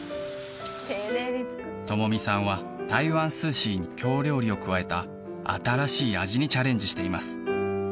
智美さんは台湾素食に京料理を加えた新しい味にチャレンジしています